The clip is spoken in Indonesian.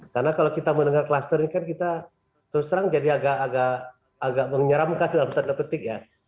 karena kalau kita mendengar klaster ini kan kita terus terang jadi agak menyeramkan dalam tanda petik ya